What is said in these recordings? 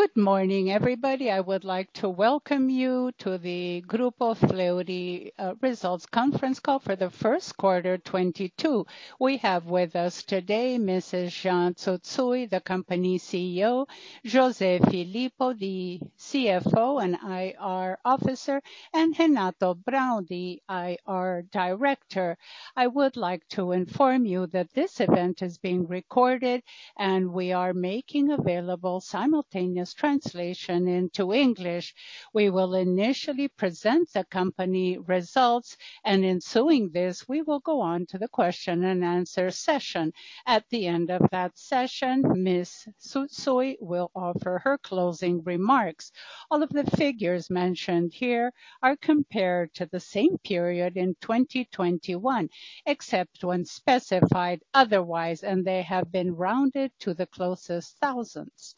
Good morning, everybody. I would like to welcome you to the Grupo Fleury results conference call for the first quarter 2022. We have with us today Mrs. Jeane Tsutsui, the company CEO, Jose Filippo, the CFO and IR officer, and Renato Braun, the IR director. I would like to inform you that this event is being recorded, and we are making available simultaneous translation into English. We will initially present the company results and ensuing this, we will go on to the question and answer session. At the end of that session, Ms. Tsutsui will offer her closing remarks. All of the figures mentioned here are compared to the same period in 2021, except when specified otherwise, and they have been rounded to the closest thousands.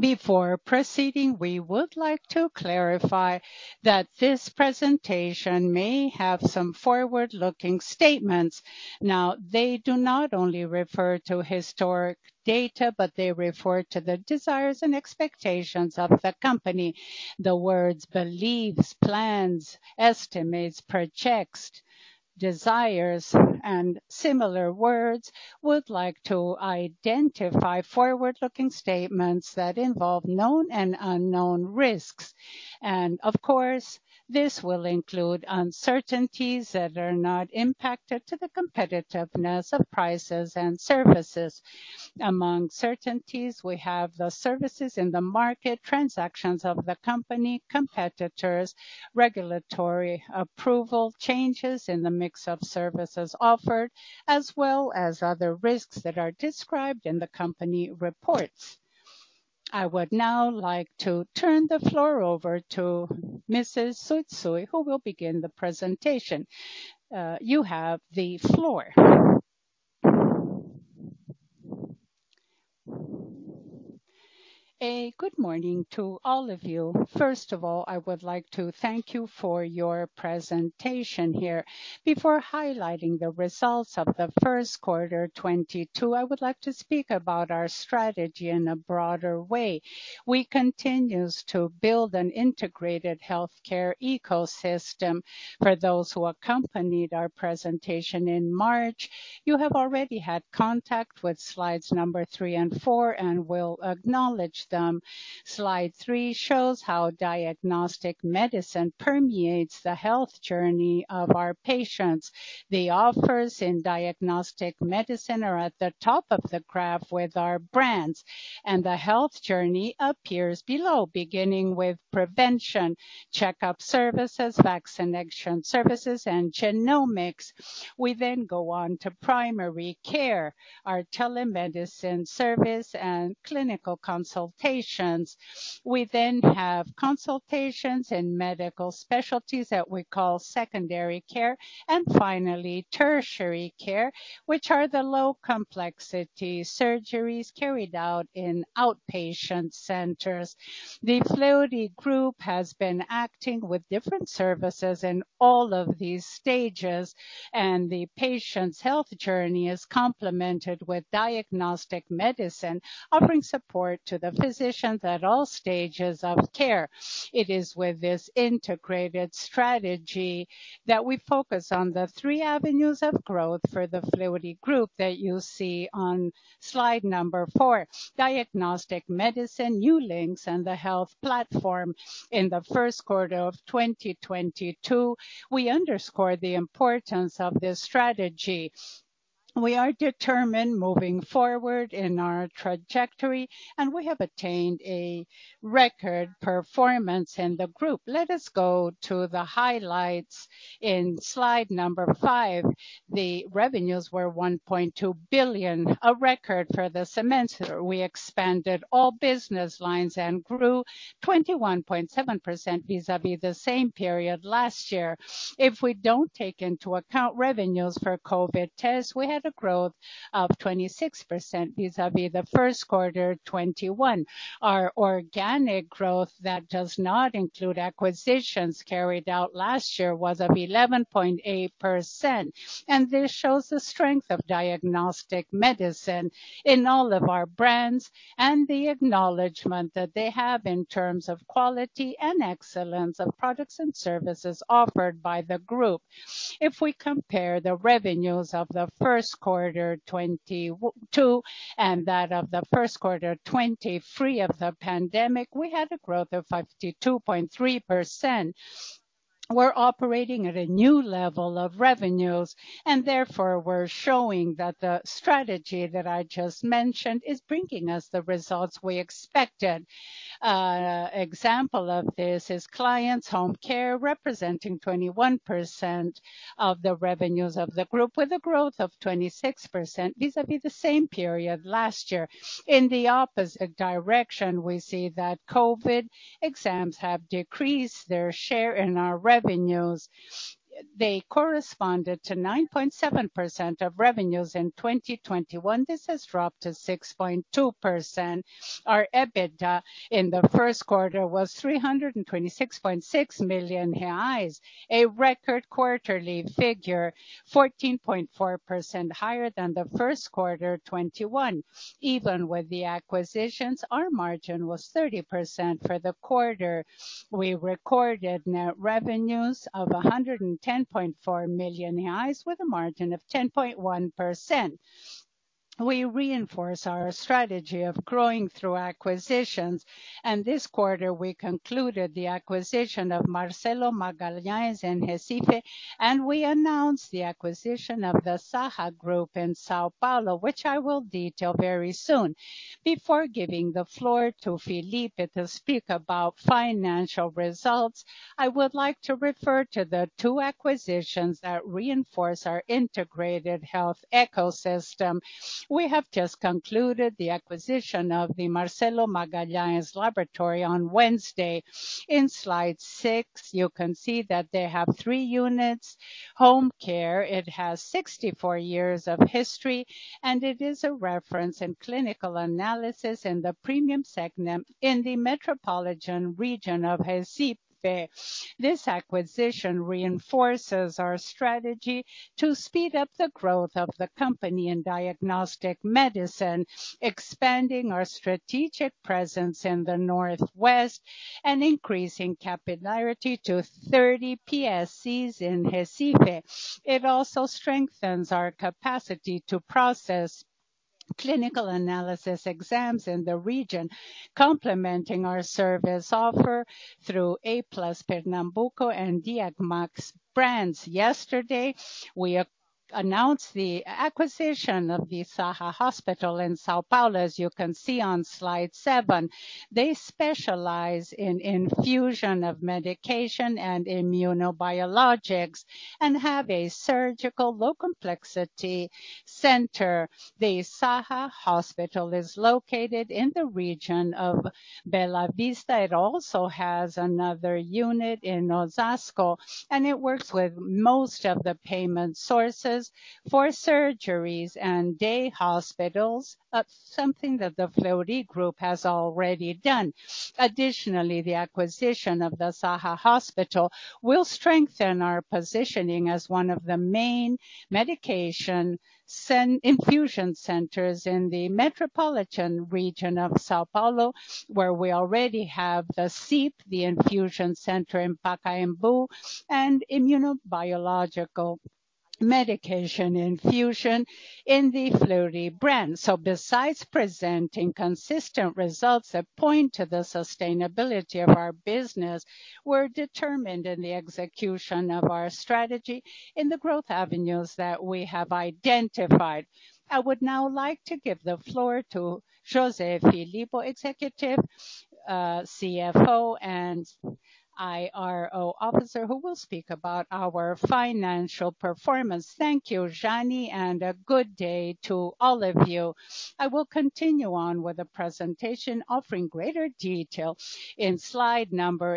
Before proceeding, we would like to clarify that this presentation may have some forward-looking statements. Now, they do not only refer to historical data, but they refer to the desires and expectations of the company. The words beliefs, plans, estimates, projections, desires, and similar words are used to identify forward-looking statements that involve known and unknown risks. Of course, this will include uncertainties that may impact the competitiveness of prices and services. Among uncertainties, we have the services in the market, transactions of the company, competitors, regulatory approval, changes in the mix of services offered, as well as other risks that are described in the company reports. I would now like to turn the floor over to Mrs. Jeane Tsutsui, who will begin the presentation. You have the floor. Good morning to all of you. First of all, I would like to thank you for your presence here. Before highlighting the results of the first quarter 2022, I would like to speak about our strategy in a broader way. We continues to build an integrated healthcare ecosystem. For those who accompanied our presentation in March, you have already had contact with slides number three and four and will acknowledge them. Slide three shows how diagnostic medicine permeates the health journey of our patients. The offers in diagnostic medicine are at the top of the graph with our brands, and the health journey appears below, beginning with prevention, checkup services, vaccination services, and genomics. We then go on to primary care, our telemedicine service and clinical consultations. We then have consultations and medical specialties that we call secondary care. Finally tertiary care, which are the low complexity surgeries carried out in outpatient centers. The Fleury Group has been acting with different services in all of these stages, and the patient's health journey is complemented with diagnostic medicine, offering support to the physicians at all stages of care. It is with this integrated strategy that we focus on the three avenues of growth for the Fleury Group that you see on slide number four. Diagnostic Medicine, New Links, and the health platform. In the first quarter of 2022, we underscore the importance of this strategy. We are determined moving forward in our trajectory, and we have attained a record performance in the group. Let us go to the highlights in slide number five. The revenues were 1.2 billion, a record for this semester. We expanded all business lines and grew 21.7% vis-à-vis the same period last year. If we don't take into account revenues for COVID tests, we had a growth of 26% vis-à-vis the first quarter 2021. Our organic growth that does not include acquisitions carried out last year was of 11.8%. This shows the strength of Diagnostic Medicine in all of our brands and the acknowledgement that they have in terms of quality and excellence of products and services offered by the group. If we compare the revenues of the first quarter 2022 and that of the first quarter 2023 of the pandemic, we had a growth of 52.3%. We're operating at a new level of revenues, and therefore we're showing that the strategy that I just mentioned is bringing us the results we expected. Example of this is clients HomeCare representing 21% of the revenues of the group with a growth of 26% vis-à-vis the same period last year. In the opposite direction, we see that COVID exams have decreased their share in our revenues. They corresponded to 9.7% of revenues in 2021. This has dropped to 6.2%. Our EBITDA in the first quarter was 326.6 million reais, a record quarterly figure 14.4% higher than the first quarter 2021. Even with the acquisitions, our margin was 30% for the quarter. We recorded net revenues of 110.4 million reais with a margin of 10.1%. We reinforce our strategy of growing through acquisitions, and this quarter we concluded the acquisition of Marcelo Magalhães in Recife, and we announced the acquisition of Saha in São Paulo, which I will detail very soon. Before giving the floor to Filippo to speak about financial results, I would like to refer to the two acquisitions that reinforce our integrated health ecosystem. We have just concluded the acquisition of the Marcelo Magalhães Laboratory on Wednesday. In slide six, you can see that they have three units. HomeCare. It has 64 years of history, and it is a reference in clinical analysis in the premium segment in the metropolitan region of Recife. This acquisition reinforces our strategy to speed up the growth of the company in diagnostic medicine, expanding our strategic presence in the Northeast and increasing capillarity to 30 PSCs in Recife. It also strengthens our capacity to process clinical analysis exams in the region, complementing our service offer through a+ Pernambuco and Diagnoson a+ brands. Yesterday, we announced the acquisition of the Saha Hospital in São Paulo, as you can see on slide seven. They specialize in infusion of medication and immunobiologicals and have a surgical low complexity center. The Saha Hospital is located in the region of Bela Vista. It also has another unit in Osasco, and it works with most of the payment sources for surgeries and day hospitals, something that the Fleury Group has already done. Additionally, the acquisition of the Saha Hospital will strengthen our positioning as one of the main medication infusion centers in the metropolitan region of São Paulo, where we already have the CIP, the infusion center in Pacaembu and immunobiological medication infusion in the Fleury brand. Besides presenting consistent results that point to the sustainability of our business, we're determined in the execution of our strategy in the growth avenues that we have identified. I would now like to give the floor to José Filippo, Executive CFO and IRO Officer, who will speak about our financial performance. Thank you, Jeane Tsutsui, and a good day to all of you. I will continue on with the presentation offering greater detail. In slide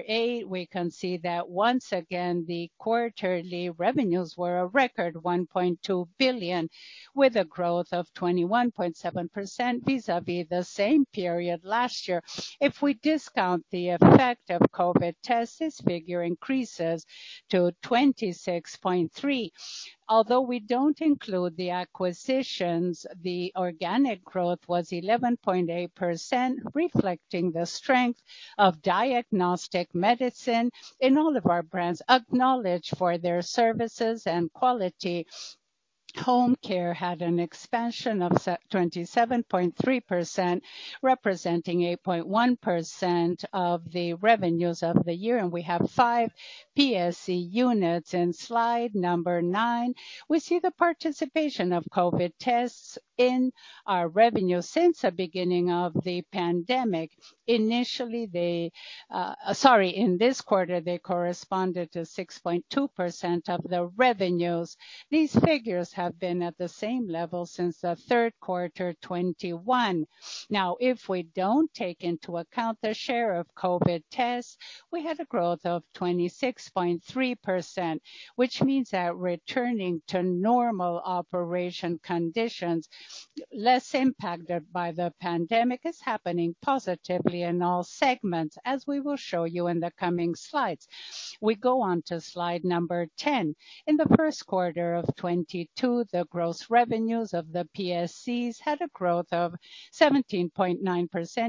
eight, we can see that once again, the quarterly revenues were a record 1.2 billion, with a growth of 21.7% vis-à-vis the same period last year. If we discount the effect of COVID tests, this figure increases to 26.3%. Although we don't include the acquisitions, the organic growth was 11.8%, reflecting the strength of diagnostic medicine in all of our brands acknowledged for their services and quality. HomeCare had an expansion of 27.3%, representing 8.1% of the revenues of the year, and we have five PSC units. In slide number nine, we see the participation of COVID tests in our revenue since the beginning of the pandemic. Initially, they, in this quarter, they corresponded to 6.2% of the revenues. These figures have been at the same level since the third quarter 2021. Now, if we don't take into account the share of COVID tests, we had a growth of 26.3%. Which means that returning to normal operation conditions less impacted by the pandemic is happening positively in all segments, as we will show you in the coming slides. We go on to slide 10. In the first quarter of 2022, the gross revenues of the PSCs had a growth of 17.9%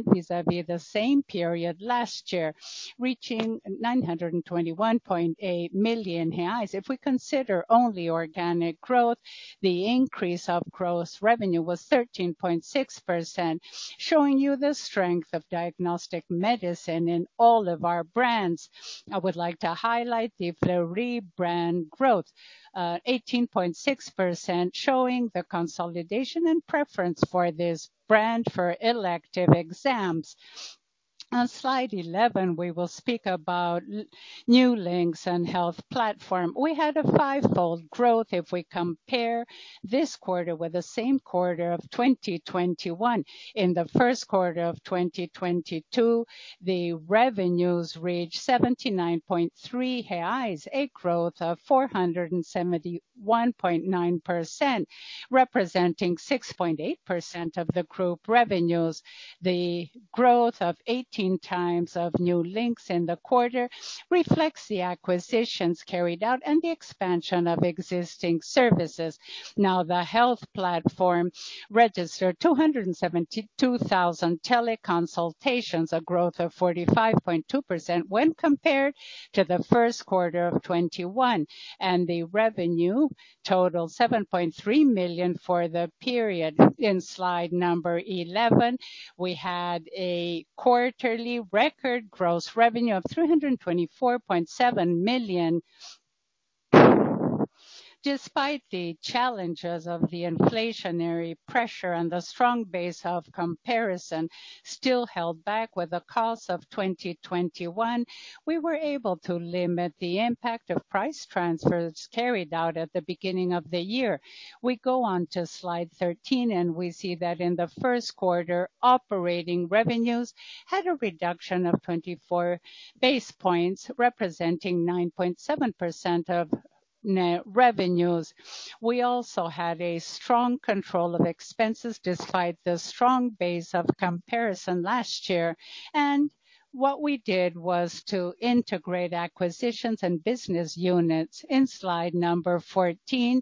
vis-à-vis the same period last year, reaching 921.8 million reais. If we consider only organic growth, the increase of gross revenue was 13.6%, showing you the strength of diagnostic medicine in all of our brands. I would like to highlight the Fleury brand growth, 18.6%, showing the consolidation and preference for this brand for elective exams. On slide 11, we will speak about New Links and health platform. We had a fivefold growth if we compare this quarter with the same quarter of 2021. In the first quarter of 2022, the revenues reached 79.3 reais, a growth of 471.9%, representing 6.8% of the group revenues. The growth of 18x of New Links in the quarter reflects the acquisitions carried out and the expansion of existing services. Now, the health platform registered 272,000 teleconsultations, a growth of 45.2% when compared to the first quarter of 2021. The revenue totaled 7.3 million for the period. In slide 11, we had a quarterly record gross revenue of 324.7 million. Despite the challenges of the inflationary pressure and the strong base of comparison still held back with the cost of 2021, we were able to limit the impact of price transfers carried out at the beginning of the year. We go on to slide 13, and we see that in the first quarter, operating revenues had a reduction of 24 basis points, representing 9.7% of net revenues. We also had a strong control of expenses despite the strong base of comparison last year. What we did was to integrate acquisitions and business units. In slide number 14,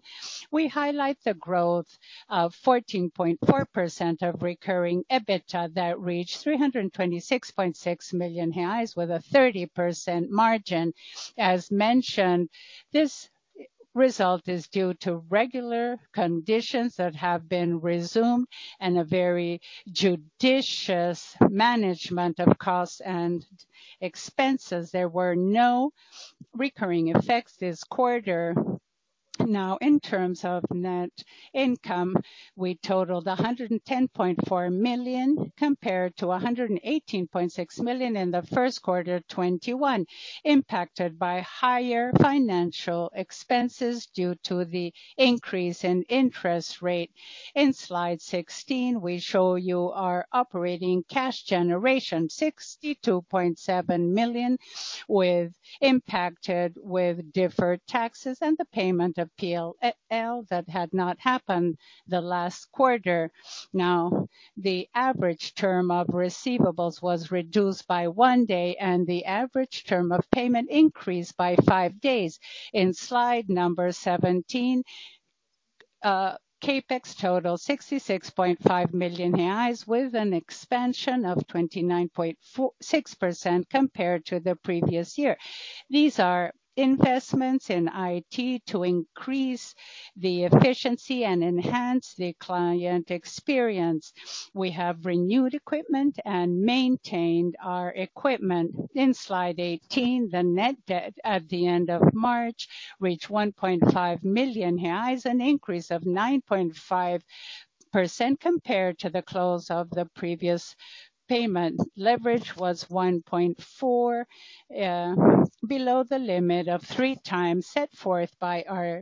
we highlight the growth of 14.4% of recurring EBITDA that reached 326.6 million reais with a 30% margin. As mentioned, this result is due to regular conditions that have been resumed and a very judicious management of cost and expenses. There were no recurring effects this quarter. Now, in terms of net income, we totaled 110.4 million compared to 118.6 million in the first quarter of 2021, impacted by higher financial expenses due to the increase in interest rate. In slide 16, we show you our operating cash generation, 62.7 million, impacted with deferred taxes and the payment of PLR that had not happened the last quarter. Now, the average term of receivables was reduced by one day, and the average term of payment increased by five days. In slide number 17, CapEx totaled 66.5 million reais, with an expansion of 29.6% compared to the previous year. These are investments in IT to increase the efficiency and enhance the client experience. We have renewed equipment and maintained our equipment. In slide 18, the net debt at the end of March reached 1.5 million reais, an increase of 9.5% compared to the close of the previous payment. Leverage was 1.4 below the limit of 3x set forth by our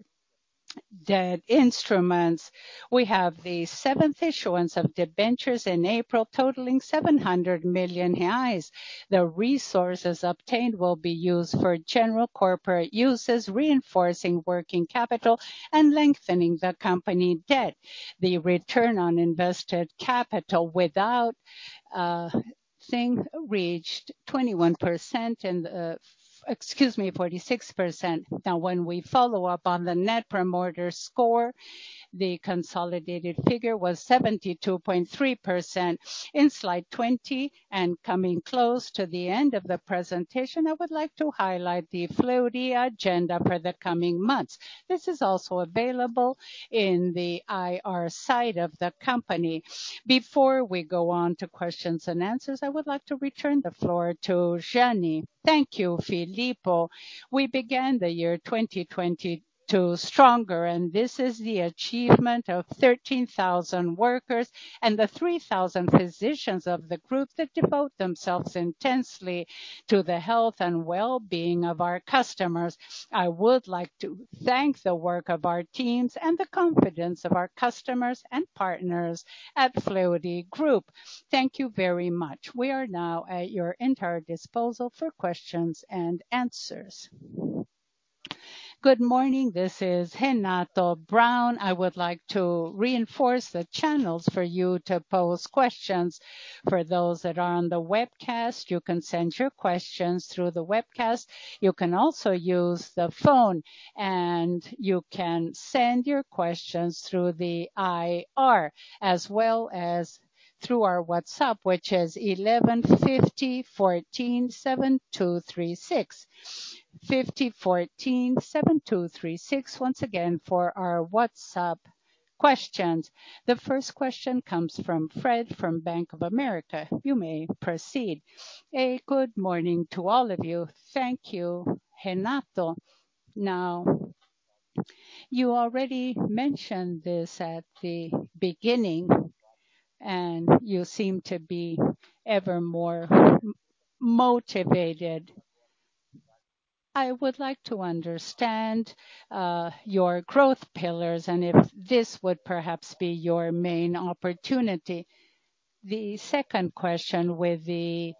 debt instruments. We have the seventh issuance of debentures in April, totaling 700 million reais. The resources obtained will be used for general corporate uses, reinforcing working capital and lengthening the company debt. The return on invested capital reached 21% and, excuse me, 46%. Now, when we follow-up on the Net Promoter Score, the consolidated figure was 72.3%. In slide 20, and coming close to the end of the presentation, I would like to highlight the Fleury agenda for the coming months. This is also available in the IR site of the company. Before we go on to questions and answers, I would like to return the floor to Jeane Tsutsui. Thank you, José Filippo. We began the year 2022 stronger, and this is the achievement of 13,000 workers and the 3,000 physicians of the group that devote themselves intensely to the health and well-being of our customers. I would like to thank the work of our teams and the confidence of our customers and partners at Fleury Group. Thank you very much. We are now at your entire disposal for questions and answers. Good morning. This is Renato Braun. I would like to reinforce the channels for you to pose questions. For those that are on the webcast, you can send your questions through the webcast. You can also use the phone, and you can send your questions through the IR, as well as through our WhatsApp, which is 11 5014-7236. 5014-7236 once again for our WhatsApp questions. The first question comes from Fred from Bank of America. You may proceed. Good morning to all of you. Thank you, Renato. You already mentioned this at the beginning, and you seem to be ever more motivated. I would like to understand your growth pillars and if this would perhaps be your main opportunity. The second question, with the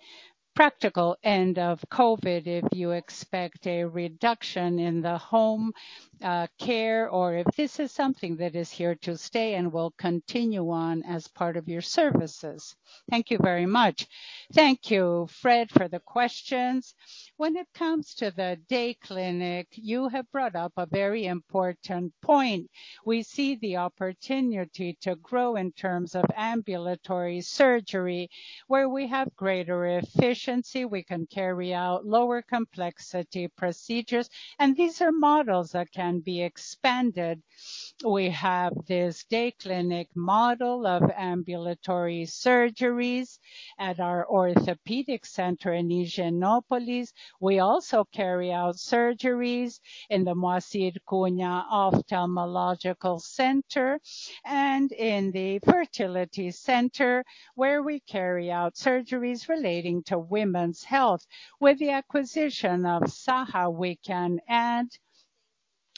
practical end of COVID, if you expect a reduction in the HomeCare, or if this is something that is here to stay and will continue on as part of your services. Thank you very much. Thank you, Fred, for the questions. When it comes to the day clinic, you have brought up a very important point. We see the opportunity to grow in terms of ambulatory surgery, where we have greater efficiency, we can carry out lower complexity procedures. These are models that can be expanded. We have this day clinic model of ambulatory surgeries at our orthopedic center in Higienópolis. We also carry out surgeries in the Moacir Cunha Ophthalmological Center and in the fertility center, where we carry out surgeries relating to women's health. With the acquisition of Saha, we can add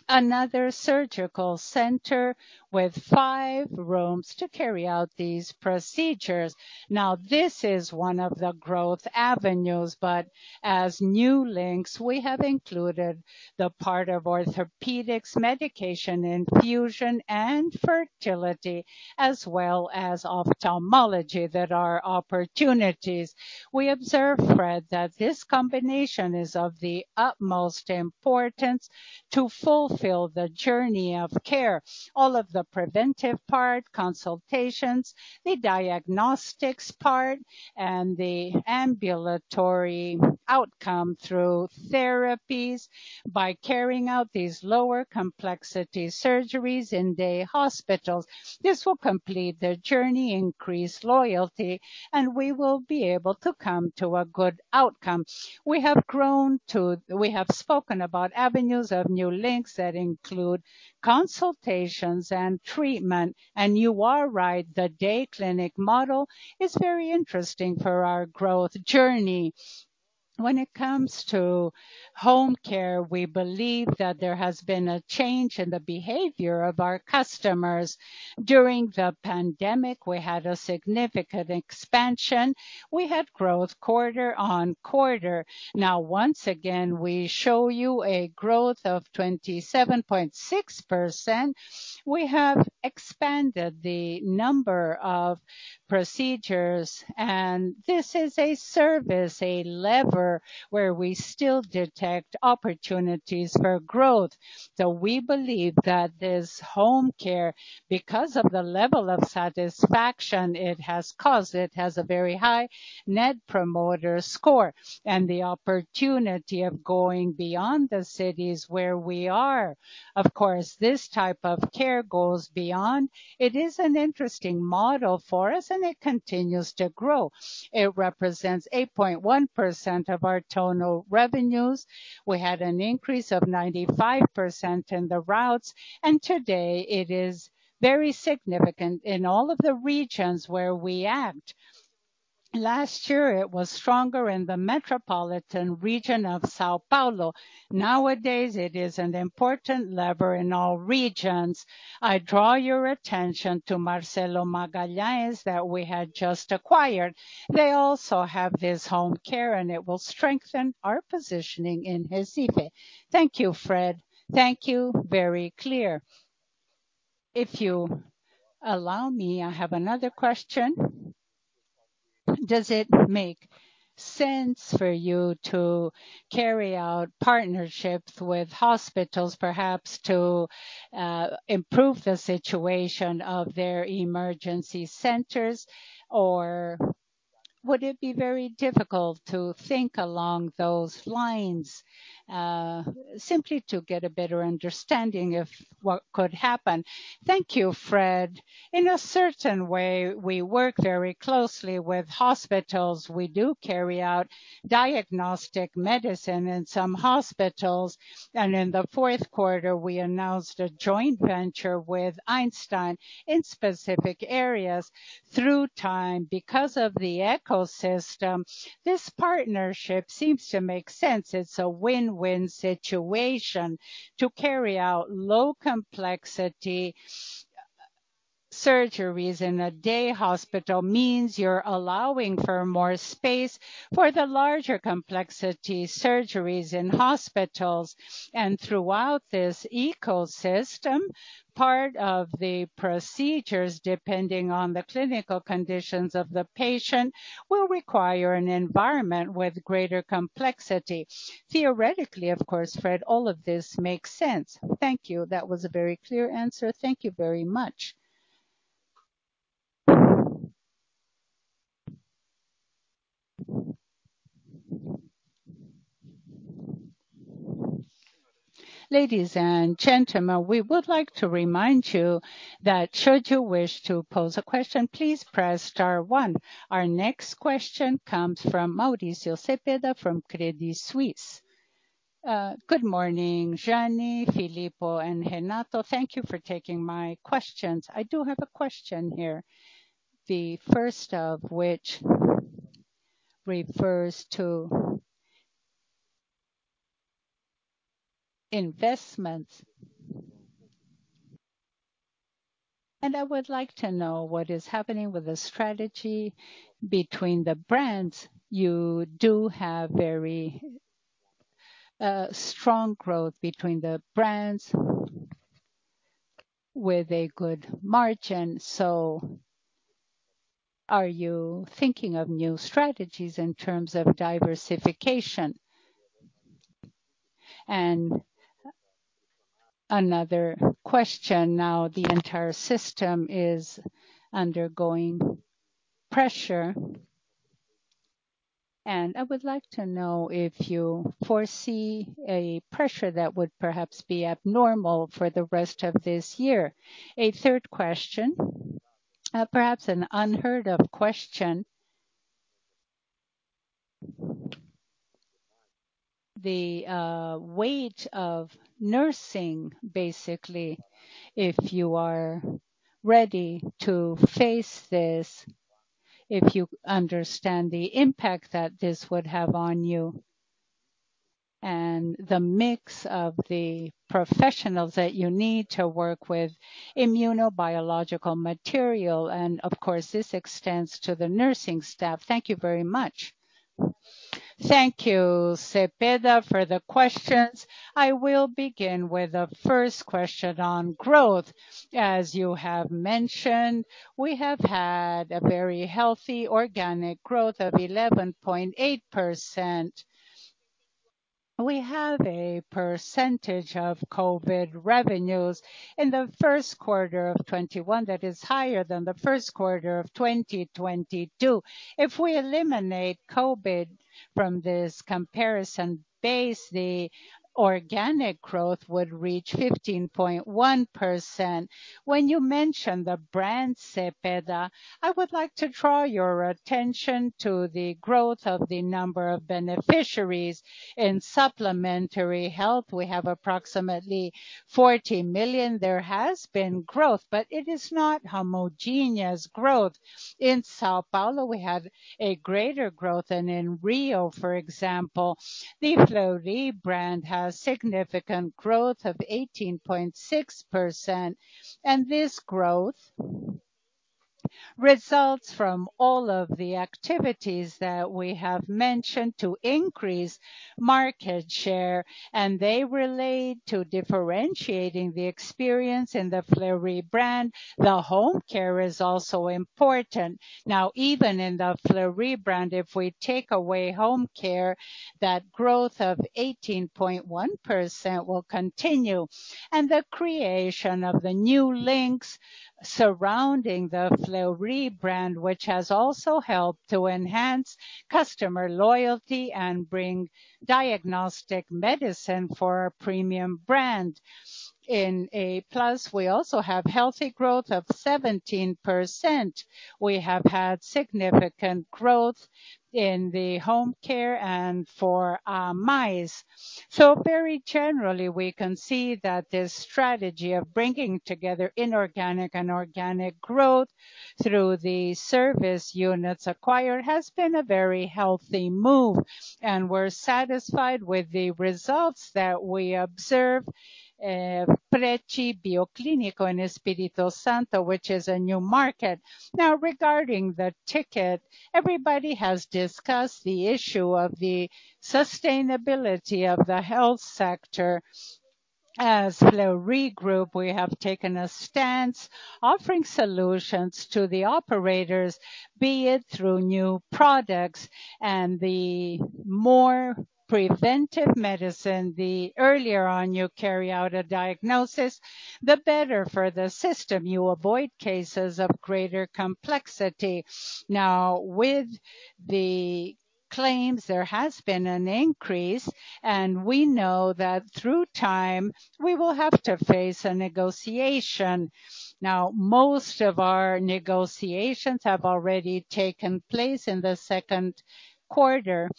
another surgical center with five rooms to carry out these procedures. Now, this is one of the growth avenues, but as New Links, we have included the part of orthopedics, medication infusion and fertility, as well as ophthalmology that are opportunities. We observe, Fred, that this combination is of the utmost importance to fulfill the journey of care. All of the preventive part, consultations, the diagnostics part, and the ambulatory outcome through therapies. By carrying out these lower complexity surgeries in day hospitals, this will complete their journey, increase loyalty, and we will be able to come to a good outcome. We have spoken about avenues of New Links that include consultations and treatment. You are right, the day clinic model is very interesting for our growth journey. When it comes to HomeCare, we believe that there has been a change in the behavior of our customers. During the pandemic, we had a significant expansion. We had quarter-over-quarter growth. Now, once again, we show you a growth of 27.6%. We have expanded the number of procedures. This is a service, a lever where we still detect opportunities for growth. We believe that this HomeCare, because of the level of satisfaction it has caused, it has a very high Net Promoter Score and the opportunity of going beyond the cities where we are. Of course, this type of care goes beyond. It is an interesting model for us, and it continues to grow. It represents 8.1% of our total revenues. We had an increase of 95% in the routes, and today it is very significant in all of the regions where we act. Last year it was stronger in the metropolitan region of São Paulo. Nowadays, it is an important lever in all regions. I draw your attention to Marcelo Magalhães that we had just acquired. They also have this HomeCare, and it will strengthen our positioning in Recife. Thank you, Fred. Thank you. Very clear. If you allow me, I have another question. Does it make sense for you to carry out partnerships with hospitals, perhaps to improve the situation of their emergency centers? Or would it be very difficult to think along those lines, simply to get a better understanding of what could happen? Thank you, Fred. In a certain way, we work very closely with hospitals. We do carry out Diagnostic Medicine in some hospitals, and in the fourth quarter we announced a joint venture with Einstein in specific areas. Through time, because of the ecosystem, this partnership seems to make sense. It's a win-win situation. To carry out low complexity surgeries in a day hospital means you're allowing for more space for the larger complexity surgeries in hospitals. Throughout this ecosystem, part of the procedures, depending on the clinical conditions of the patient, will require an environment with greater complexity. Theoretically, of course, Fred, all of this makes sense. Thank you. That was a very clear answer. Thank you very much. Ladies and gentlemen, we would like to remind you that should you wish to pose a question, please press star one. Our next question comes from Mauricio Cepeda from Credit Suisse. Good morning, Jeane, Filippo, and Renato. Thank you for taking my questions. I do have a question here, the first of which refers to investments. I would like to know what is happening with the strategy between the brands. You do have very strong growth between the brands with a good margin. Are you thinking of new strategies in terms of diversification? Another question now, the entire system is undergoing pressure, and I would like to know if you foresee a pressure that would perhaps be abnormal for the rest of this year. A third question, perhaps an unheard of question. The weight of nursing, basically, if you are ready to face this, if you understand the impact that this would have on you and the mix of the professionals that you need to work with immunobiological material, and of course, this extends to the nursing staff. Thank you very much. Thank you, Cepeda, for the questions. I will begin with the first question on growth. As you have mentioned, we have had a very healthy organic growth of 11.8%. We have a percentage of COVID revenues in the first quarter of 2021 that is higher than the first quarter of 2022. If we eliminate COVID from this comparison base, the organic growth would reach 15.1%. When you mention the brand, Cepeda, I would like to draw your attention to the growth of the number of beneficiaries. In supplementary health, we have approximately 40 million. There has been growth, but it is not homogeneous growth. In São Paulo, we have a greater growth than in Rio, for example. The Fleury brand has significant growth of 18.6%, and this growth results from all of the activities that we have mentioned to increase market share, and they relate to differentiating the experience in the Fleury brand. HomeCare is also important. Now, even in the Fleury brand, if we take away HomeCare, that growth of 18.1% will continue. The creation of the New Links surrounding the Fleury brand, which has also helped to enhance customer loyalty and bring Diagnostic Medicine for a premium brand. In a+, we also have healthy growth of 17%. We have had significant growth in HomeCare and for a+ mais. Very generally, we can see that this strategy of bringing together inorganic and organic growth through the service units acquired has been a very healthy move, and we're satisfied with the results that we observe, Pretti Bioclínico in Espírito Santo, which is a new market. Now, regarding the ticket, everybody has discussed the issue of the sustainability of the health sector. As Fleury Group, we have taken a stance offering solutions to the operators, be it through new products and the more preventive medicine. The earlier on you carry out a diagnosis, the better for the system. You avoid cases of greater complexity. Now, with the claims, there has been an increase, and we know that through time, we will have to face a negotiation. Now, most of our negotiations have already taken place in the second quarter,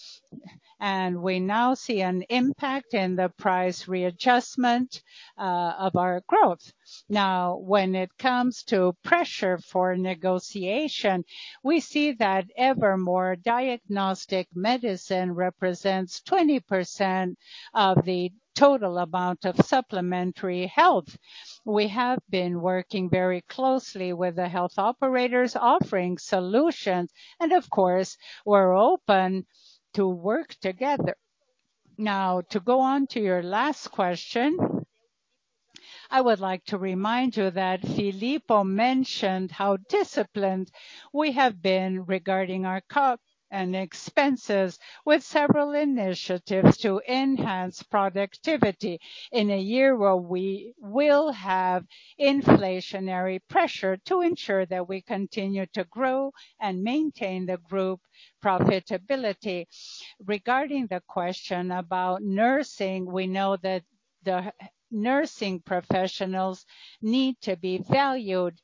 and we now see an impact in the price readjustment of our growth. Now, when it comes to pressure for negotiation, we see that ever more diagnostic medicine represents 20% of the total amount of supplementary health. We have been working very closely with the health operators offering solutions, and of course, we're open to work together. Now, to go on to your last question, I would like to remind you that Filippo mentioned how disciplined we have been regarding our CapEx and expenses with several initiatives to enhance productivity in a year where we will have inflationary pressure to ensure that we continue to grow and maintain the group profitability. Regarding the question about nursing, we know that the nursing professionals need to be valued.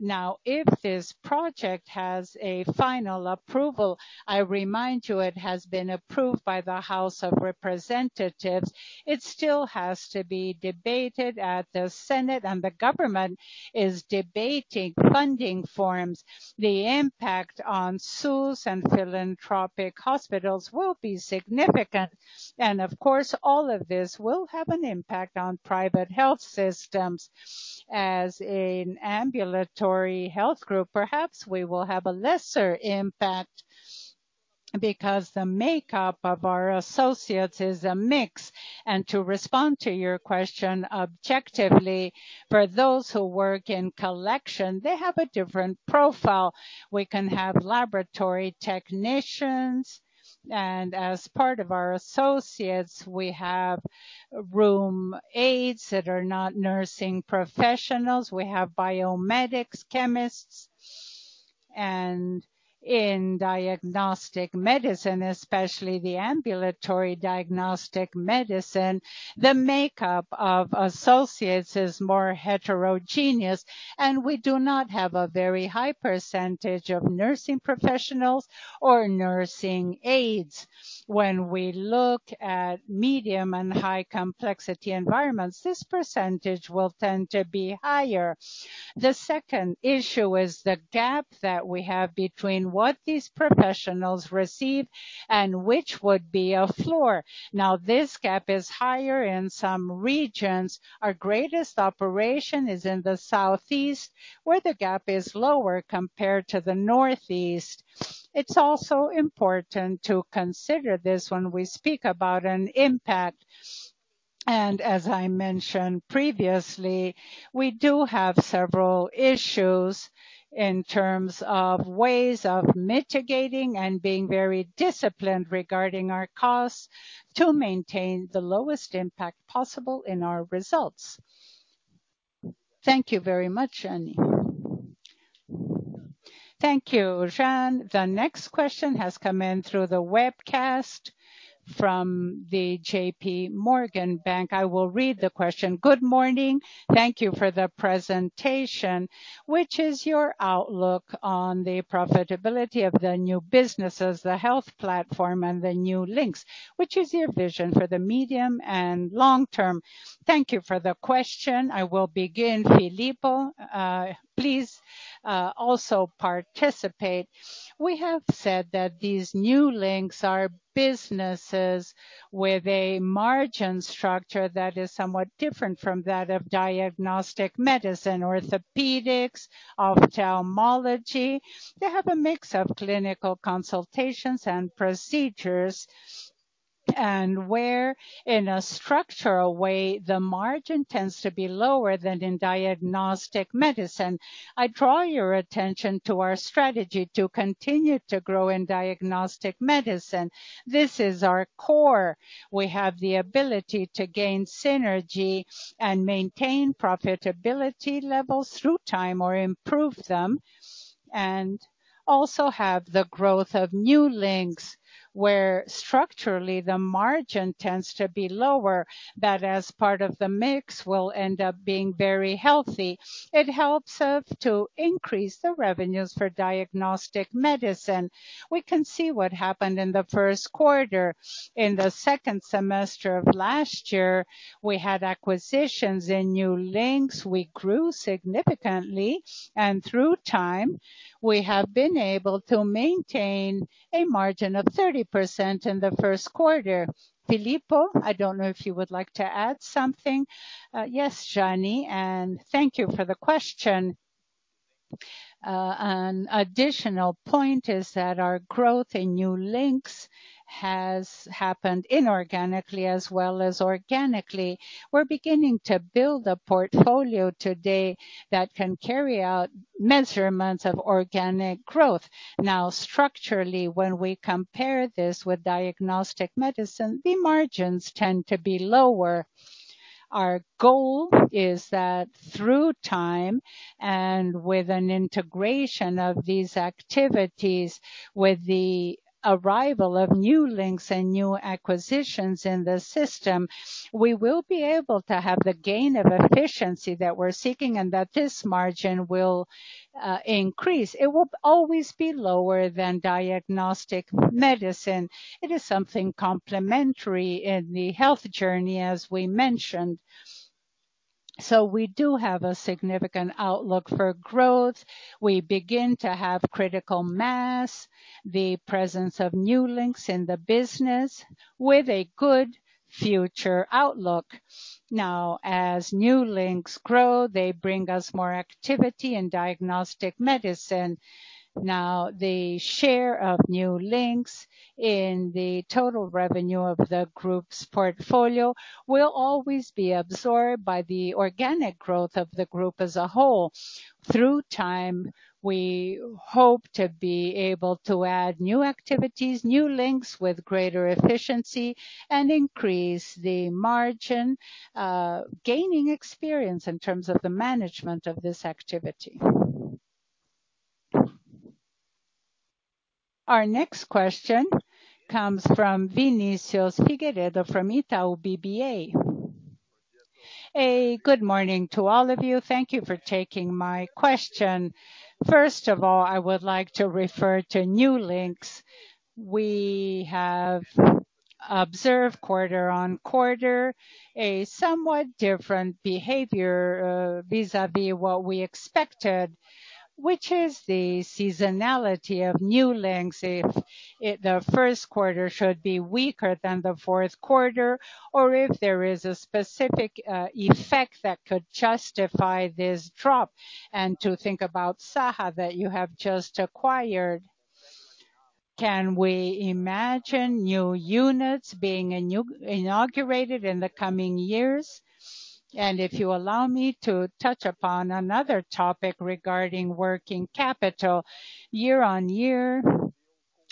Now, if this project has a final approval, I remind you it has been approved by the House of Representatives. It still has to be debated at the Senate, and the government is debating funding forms. The impact on SUS and philanthropic hospitals will be significant. Of course, all of this will have an impact on private health systems. As an ambulatory health group, perhaps we will have a lesser impact because the makeup of our associates is a mix. To respond to your question objectively, for those who work in collection, they have a different profile. We can have laboratory technicians, and as part of our associates, we have room aides that are not nursing professionals. We have biomedics, chemists. In Diagnostic Medicine, especially the ambulatory Diagnostic Medicine, the makeup of associates is more heterogeneous, and we do not have a very high percentage of nursing professionals or nursing aides. When we look at medium and high complexity environments, this percentage will tend to be higher. The second issue is the gap that we have between what these professionals receive and which would be a floor. Now, this gap is higher in some regions. Our greatest operation is in the Southeast, where the gap is lower compared to the Northeast. It's also important to consider this when we speak about an impact. As I mentioned previously, we do have several issues in terms of ways of mitigating and being very disciplined regarding our costs to maintain the lowest impact possible in our results. Thank you very much, Jeane. Thank you, Jeane. The next question has come in through the webcast from J.P. Morgan. I will read the question. Good morning. Thank you for the presentation. Which is your outlook on the profitability of the new businesses, the health platform, and the New Links? Which is your vision for the medium and long term? Thank you for the question. I will begin. Filippo, please, also participate. We have said that these New Links are businesses with a margin structure that is somewhat different from that of Diagnostic Medicine, orthopedics, ophthalmology. They have a mix of clinical consultations and procedures, and where, in a structural way, the margin tends to be lower than in Diagnostic Medicine. I draw your attention to our strategy to continue to grow in Diagnostic Medicine. This is our core. We have the ability to gain synergy and maintain profitability levels through time or improve them, and also have the growth of New Links, where structurally the margin tends to be lower, that as part of the mix will end up being very healthy. It helps us to increase the revenues for Diagnostic Medicine. We can see what happened in the first quarter. In the second semester of last year, we had acquisitions in New Links. We grew significantly, and through time, we have been able to maintain a margin of 30% in the first quarter. Filippo, I don't know if you would like to add something. Yes, Jeane, and thank you for the question. An additional point is that our growth in New Links has happened inorganically as well as organically. We're beginning to build a portfolio today that can carry out measurements of organic growth. Now, structurally, when we compare this with Diagnostic Medicine, the margins tend to be lower. Our goal is that through time and with an integration of these activities, with the arrival of New Links and new acquisitions in the system, we will be able to have the gain of efficiency that we're seeking and that this margin will increase. It will always be lower than Diagnostic Medicine. It is something complementary in the health journey, as we mentioned. We do have a significant outlook for growth. We begin to have critical mass, the presence of New Links in the business with a good future outlook. Now, as New Links grow, they bring us more activity in Diagnostic Medicine. Now, the share of New Links in the total revenue of the group's portfolio will always be absorbed by the organic growth of the group as a whole. Through time, we hope to be able to add new activities, New Links with greater efficiency and increase the margin, gaining experience in terms of the management of this activity. Our next question comes from Vinicius Figueiredo from Itaú BBA. Good morning to all of you. Thank you for taking my question. First of all, I would like to refer to New Links. We have observed quarter-on-quarter a somewhat different behavior, vis-a-vis what we expected, which is the seasonality of New Links. If the first quarter should be weaker than the fourth quarter, or if there is a specific effect that could justify this drop? To think about Saha that you have just acquired, can we imagine new units being inaugurated in the coming years? If you allow me to touch upon another topic regarding working capital. Year on year,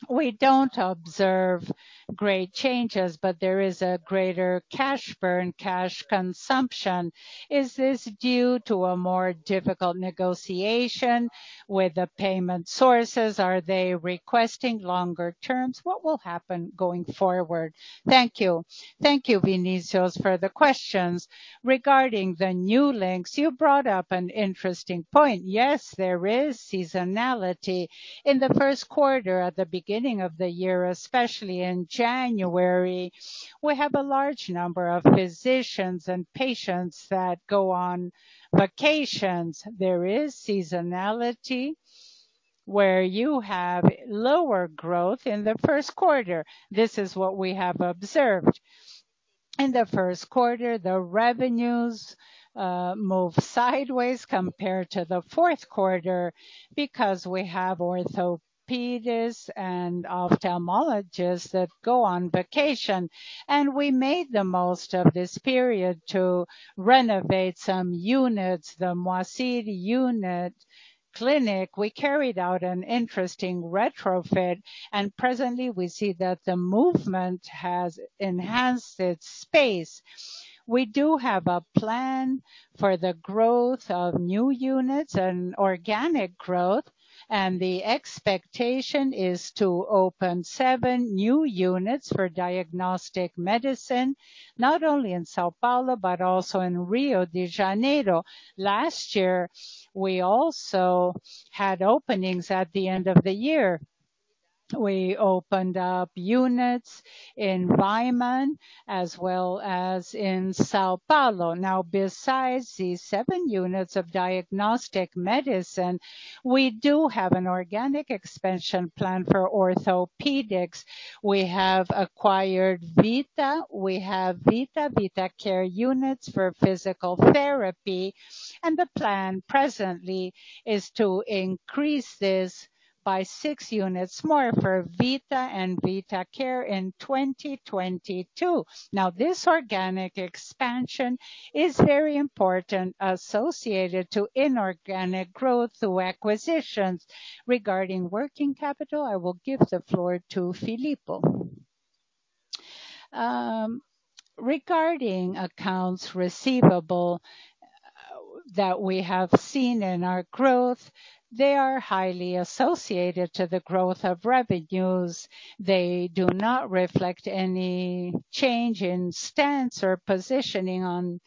we don't observe great changes, but there is a greater cash burn, cash consumption. Is this due to a more difficult negotiation with the payment sources? Are they requesting longer terms? What will happen going forward? Thank you. Thank you, Vinicius, for the questions. Regarding the New Links, you brought up an interesting point. Yes, there is seasonality. In the first quarter at the beginning of the year, especially in January, we have a large number of physicians and patients that go on v acations. There is seasonality where you have lower growth in the first quarter. This is what we have observed. In the first quarter, the revenues move sideways compared to the fourth quarter because we have orthopedists and ophthalmologists that go on vacation. We made the most of this period to renovate some units. The Moacir Cunha unit clinic, we carried out an interesting retrofit, and presently we see that the movement has enhanced its space. We do have a plan for the growth of new units and organic growth, and the expectation is to open seven new units for diagnostic medicine, not only in São Paulo, but also in Rio de Janeiro. Last year, we also had openings at the end of the year. We opened up units in Weinmann as well as in São Paulo. Now, besides these seven units of diagnostic medicine, we do have an organic expansion plan for orthopedics. We have acquired Vita. We have Vita Care units for physical therapy, and the plan presently is to increase this by six units more for Vita and Vita Care in 2022. Now, this organic expansion is very important associated to inorganic growth through acquisitions. Regarding working capital, I will give the floor to José Filippo. Regarding accounts receivable that we have seen in our growth, they are highly associated to the growth of revenues. They do not reflect any change in stance or positioning on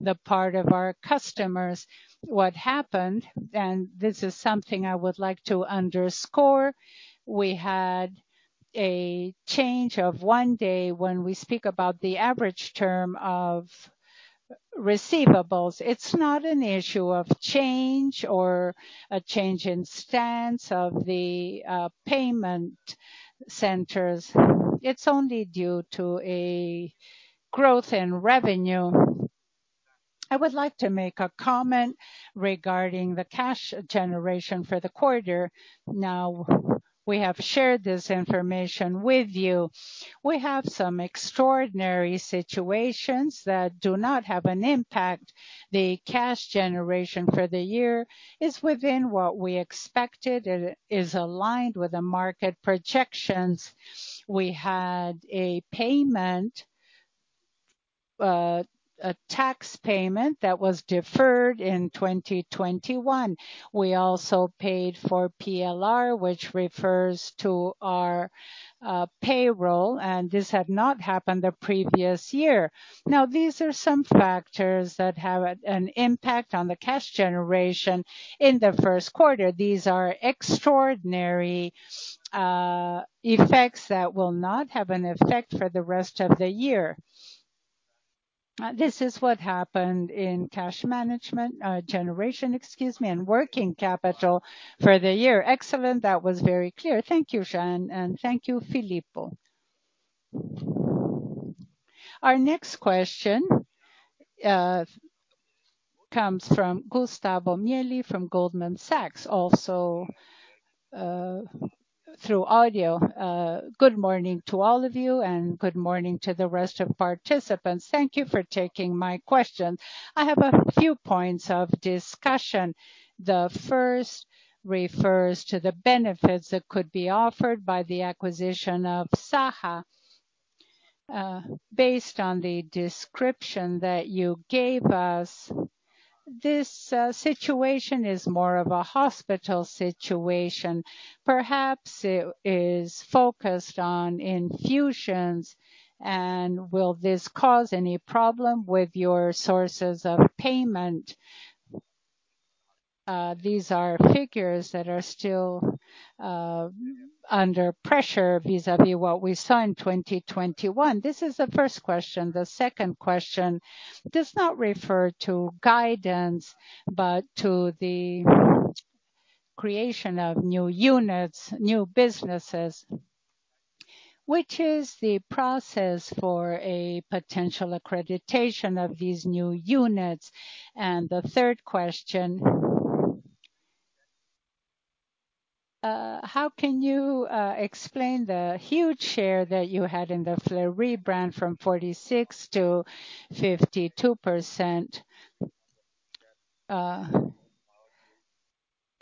the part of our customers. What happened, and this is something I would like to underscore, we had a change of one day when we speak about the average term of receivables. It's not an issue of change or a change in stance of the payment centers. It's only due to a growth in revenue. I would like to make a comment regarding the cash generation for the quarter. Now, we have shared this information with you. We have some extraordinary situations that do not have an impact. The cash generation for the year is within what we expected. It is aligned with the market projections. We had a tax payment that was deferred in 2021. We also paid for PLR, which refers to our payroll, and this had not happened the previous year. Now, these are some factors that have an impact on the cash generation in the first quarter. These are extraordinary effects that will not have an effect for the rest of the year. This is what happened in cash generation, excuse me, and working capital for the year. Excellent. That was very clear. Thank you, Jeane Tsutsui, and thank you, Jose Filippo. Our next question comes from Gustavo Miele from Goldman Sachs, also through audio. Good morning to all of you, and good morning to the rest of participants. Thank you for taking my question. I have a few points of discussion. The first refers to the benefits that could be offered by the acquisition of Saha. Based on the description that you gave us, this situation is more of a hospital situation. Perhaps it is focused on infusions. Will this cause any problem with your sources of payment? These are figures that are still under pressure vis-a-vis what we saw in 2021. This is the first question. The second question does not refer to guidance, but to the creation of new units, new businesses. Which is the process for a potential accreditation of these new units? The third question, how can you explain the huge share that you had in the Fleury brand from 46%-52%?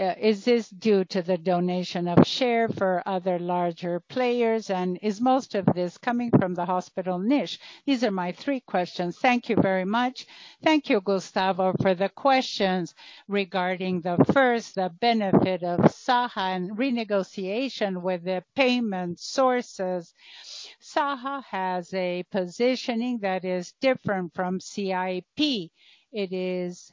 Is this due to the donation of share for other larger players? Is most of this coming from the hospital niche? These are my three questions. Thank you very much. Thank you, Gustavo, for the questions. Regarding the first, the benefit of Saha and renegotiation with the payment sources. Saha has a positioning that is different from CIP. It is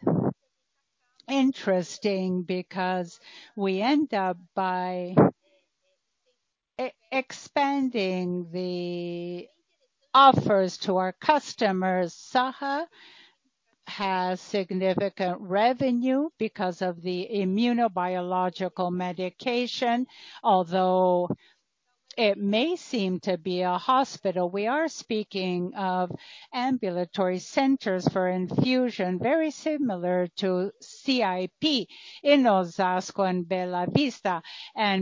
interesting because we end up by expanding the offers to our customers. Saha has significant revenue because of the immunobiological medication. Although it may seem to be a hospital, we are speaking of ambulatory centers for infusion, very similar to CIP in Osasco and Bela Vista.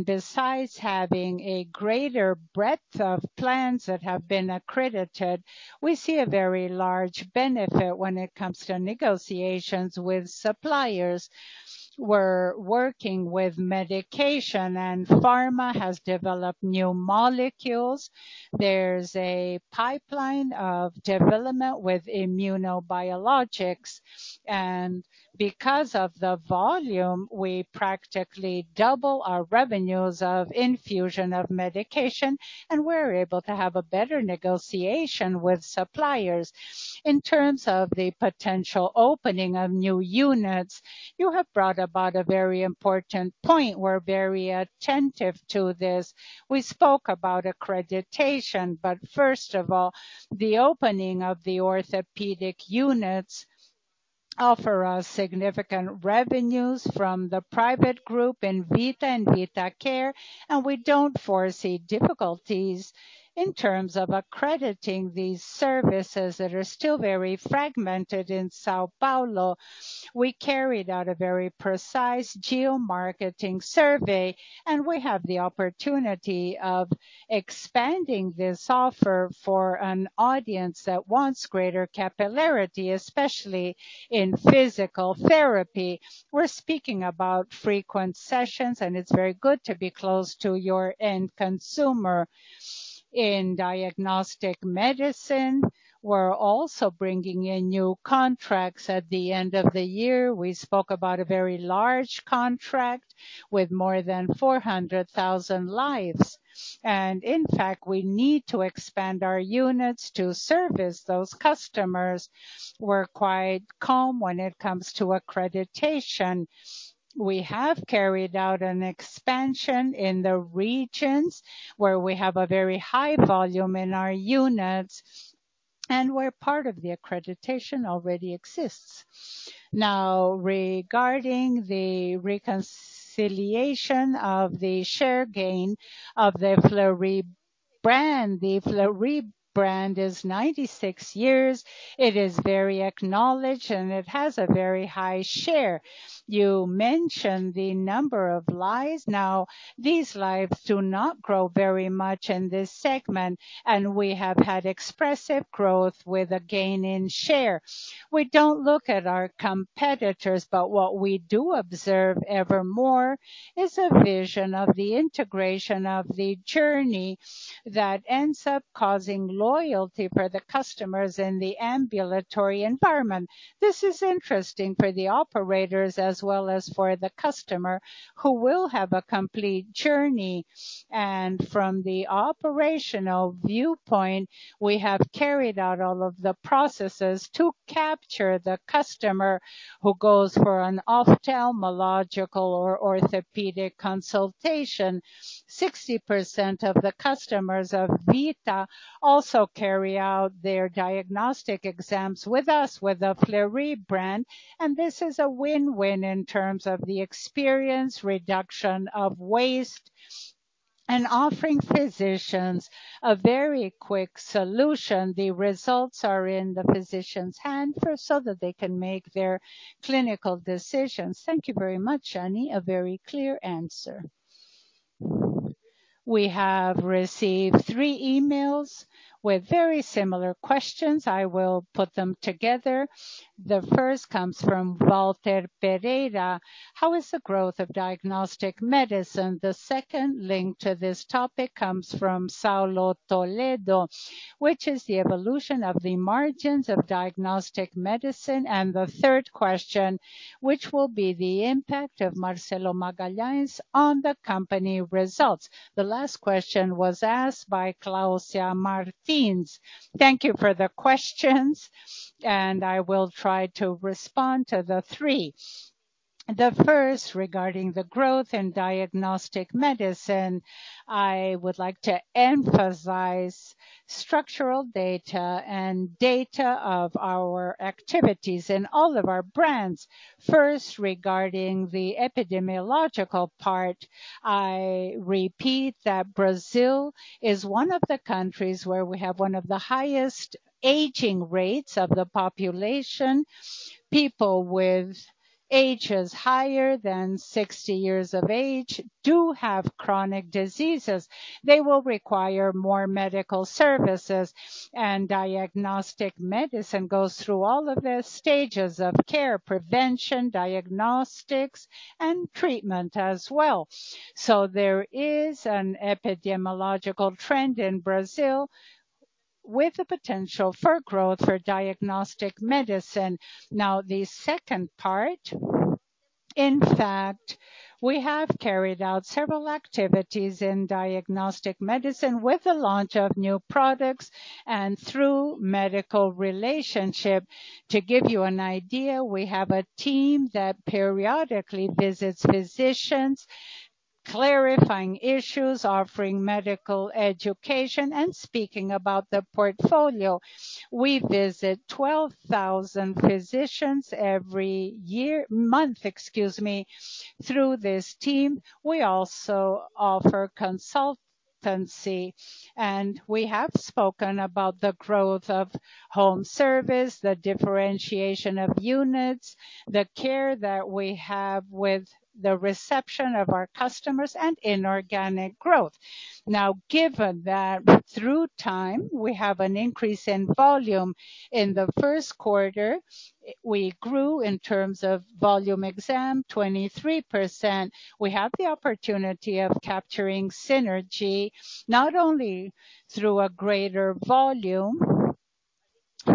Besides having a greater breadth of plans that have been accredited, we see a very large benefit when it comes to negotiations with suppliers. We're working with medication, and pharma has developed new molecules. There's a pipeline of development with immunobiologics. Because of the volume, we practically double our revenues of infusion of medication, and we're able to have a better negotiation with suppliers. In terms of the potential opening of new units, you have brought about a very important point. We're very attentive to this. We spoke about accreditation, but first of all, the opening of the orthopedic units offer us significant revenues from the private group in Vita and Vita Care, and we don't foresee difficulties in terms of accrediting these services that are still very fragmented in São Paulo. We carried out a very precise geomarketing survey, and we have the opportunity of expanding this offer for an audience that wants greater capillarity, especially in physical therapy. We're speaking about frequent sessions, and it's very good to be close to your end consumer. In Diagnostic Medicine, we're also bringing in new contracts. At the end of the year, we spoke about a very large contract with more than 400,000 lives. In fact, we need to expand our units to service those customers. We're quite calm when it comes to accreditation. We have carried out an expansion in the regions where we have a very high volume in our units and where part of the accreditation already exists. Now, regarding the reconciliation of the share gain of the Fleury brand. The Fleury brand is 96 years. It is very acknowledged, and it has a very high share. You mentioned the number of lives. Now, these lives do not grow very much in this segment, and we have had expressive growth with a gain in share. We don't look at our competitors, but what we do observe evermore is a vision of the integration of the journey that ends up causing loyalty for the customers in the ambulatory environment. This is interesting for the operators as well as for the customer who will have a complete journey. From the operational viewpoint, we have carried out all of the processes to capture the customer who goes for an ophthalmological or orthopedic consultation. 60% of the customers of Vita also carry out their diagnostic exams with us, with the Fleury brand. This is a win-win in terms of the experience, reduction of waste. Offering physicians a very quick solution. The results are in the physician's hand for so that they can make their clinical decisions. Thank you very much, Jeane Tsutsui. A very clear answer. We have received three emails with very similar questions. I will put them together. The first comes from Walter Pereira. How is the growth of Diagnostic Medicine? The second link to this topic comes from Saulo Toledo, which is the evolution of the margins of Diagnostic Medicine. The third question, which will be the impact of Laboratório Marcelo Magalhães on the company results. The last question was asked by Claudia Martins. Thank you for the questions, and I will try to respond to the three. The first regarding the growth in Diagnostic Medicine. I would like to emphasize structural data and data of our activities in all of our brands. First, regarding the epidemiological part, I repeat that Brazil is one of the countries where we have one of the highest aging rates of the population. People with ages higher than 60 years of age do have chronic diseases. They will require more medical services. Diagnostic medicine goes through all of the stages of care, prevention, diagnostics and treatment as well. There is an epidemiological trend in Brazil with the potential for growth for diagnostic medicine. Now, the second part, in fact, we have carried out several activities in diagnostic medicine with the launch of new products and through medical relationship. To give you an idea, we have a team that periodically visits physicians, clarifying issues, offering medical education, and speaking about the portfolio. We visit 12,000 physicians every month. Through this team, we also offer consultancy, and we have spoken about the growth of HomeCare, the differentiation of units, the care that we have with the reception of our customers, and inorganic growth. Now, given that over time we have an increase in volume. In the first quarter, we grew in terms of exam volume 23%. We have the opportunity of capturing synergy not only through a greater volume.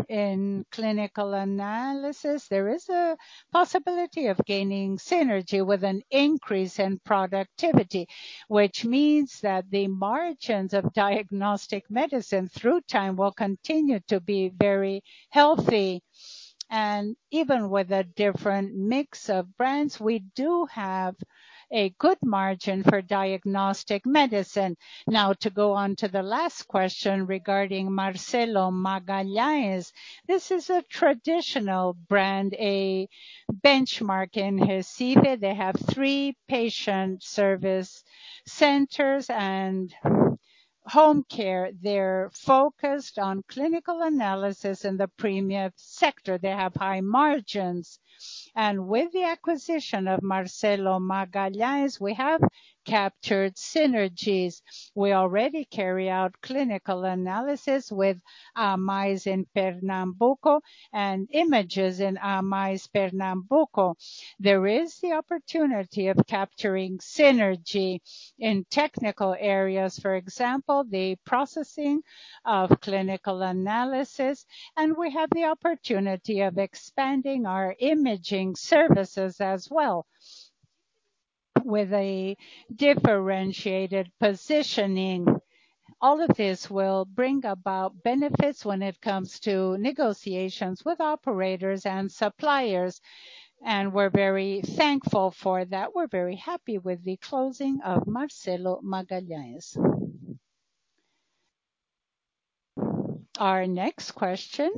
In clinical analysis, there is a possibility of gaining synergy with an increase in productivity, which means that the margins of diagnostic medicine through time will continue to be very healthy. Even with a different mix of brands, we do have a good margin for diagnostic medicine. Now, to go on to the last question regarding Marcelo Magalhães. This is a traditional brand, a benchmark in Recife. They have three Patient Service Centers and HomeCare. They're focused on clinical analysis in the premium sector. They have high margins. With the acquisition of Marcelo Magalhães, we have captured synergies. We already carry out clinical analysis with AMIS in Pernambuco and imaging in AMIS Pernambuco. There is the opportunity of capturing synergy in technical areas. For example, the processing of clinical analysis. We have the opportunity of expanding our imaging services as well with a differentiated positioning. All of this will bring about benefits when it comes to negotiations with operators and suppliers, and we're very thankful for that. We're very happy with the closing of Marcelo Magalhães. Our next question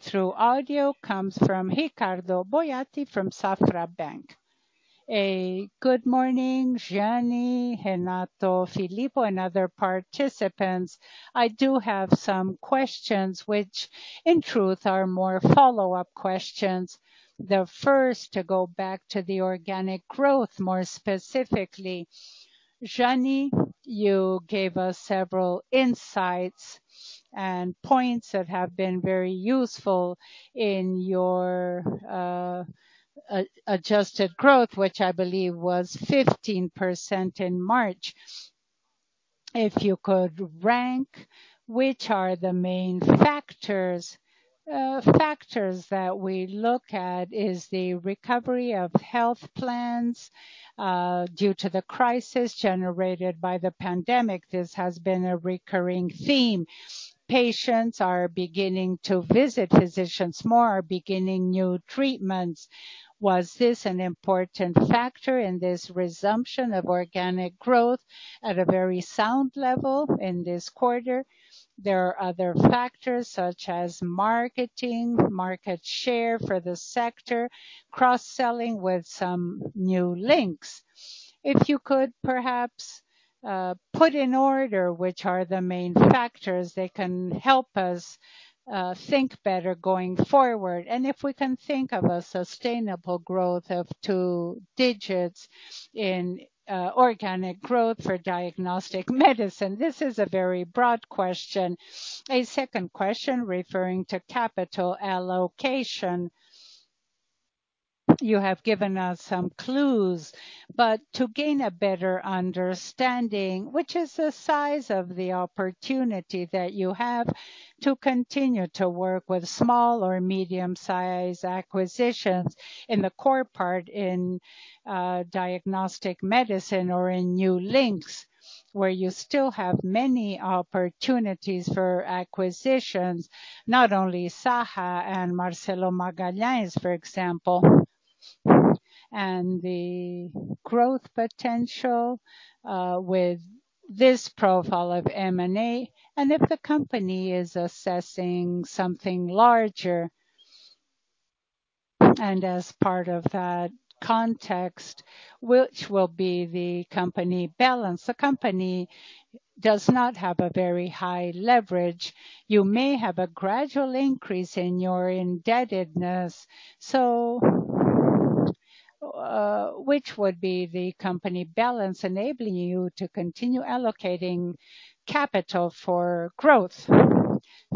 through audio comes from Ricardo Boiati from Banco Safra. Good morning, Jeane, Renato, Filippo and other participants. I do have some questions which in truth are more follow-up questions. The first, to go back to the organic growth, more specifically. Jeane, you gave us several insights and points that have been very useful in your adjusted growth, which I believe was 15% in March. If you could rank which are the main factors that we look at is the recovery of health plans due to the crisis generated by the pandemic. This has been a recurring theme. Patients are beginning to visit physicians more, beginning new treatments. Was this an important factor in this resumption of organic growth at a very sound level in this quarter? There are other factors such as marketing, market share for the sector, cross-selling with some New Links. If you could perhaps put in order which are the main factors that can help us think better going forward, and if we can think of a sustainable growth of two digits in organic growth for Diagnostic Medicine. This is a very broad question. A second question referring to capital allocation. You have given us some clues, but to gain a better understanding, which is the size of the opportunity that you have to continue to work with small or medium-sized acquisitions in the core part in Diagnostic Medicine or in New Links where you still have many opportunities for acquisitions, not only Saha and Marcelo Magalhães, for example. The growth potential with this profile of M&A, and if the company is assessing something larger. As part of that context, which will be the company balance. The company does not have a very high leverage. You may have a gradual increase in your indebtedness. Which would be the company balance enabling you to continue allocating capital for growth.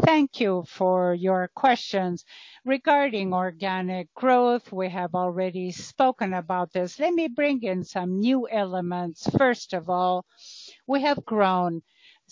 Thank you for your questions. Regarding organic growth, we have already spoken about this. Let me bring in some new elements. First of all, we have grown